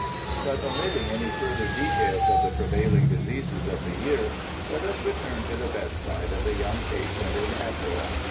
But omitting any further details of the prevailing diseases of the year, let us return to the bedside of the young patient in Abdera.